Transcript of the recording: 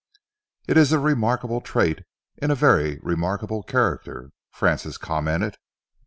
"It is a remarkable trait in a very remarkable character," Francis commented.